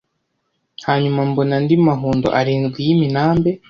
Hanyuma mbona andi mahundo arindwi y’iminambe.